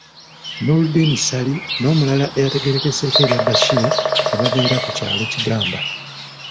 Noordin Ssali n'omulala eyategeerekeseeko erya Bashir ababeera ku kyalo Kigamba.